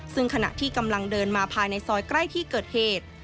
ซึ่งขณะที่กำลังเดินมาภายในซอยใกล้ที่เกิดเหตุ